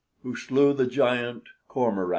Who slew the giant Cormoran."